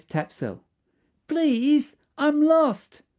TAPSELL "Please, I'm lost."